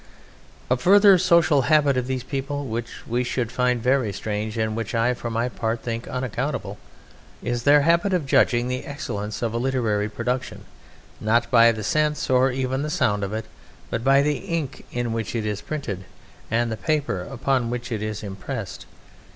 A further social habit of this people which we should find very strange and which I for my part think unaccountable is their habit of judging the excellence of a literary production, not by the sense or even the sound of it, but by the ink in which it is printed and the paper upon which it is impressed.